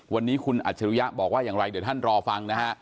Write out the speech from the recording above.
วันนี้คุณอัจฉริยะบอกว่าอย่างไรเดี๋ยวท่านรอฟังนะฮะ